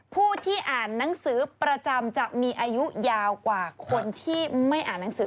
ผู้ที่อ่านหนังสือประจำจะมีอายุยาวกว่าคนที่ไม่อ่านหนังสือ